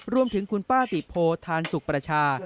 รวมถึงคุณป้าติโพธานสุขประชา